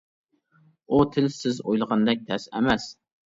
ئۇ تىل سىز ئويلىغاندەك تەس ئەمەس.